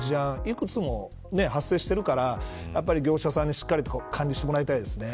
いくつも発生しているからやはり業者さんに、しっかりと管理してもらいたいですね。